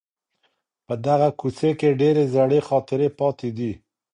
په دغه کوڅې کي ډېرې زړې خاطرې پاته دي.